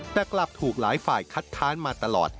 แต่กลับถูกหลายฝ่ายคัดค้านมาตลอด